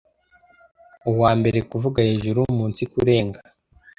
Uwa mbere kuvuga hejuru, munsi, kurenga,